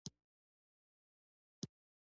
د چلند لپاره قوانین وټاکل شي.